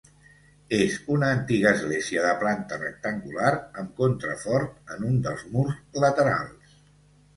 És una antiga església de planta rectangular amb contrafort en un dels murs laterals.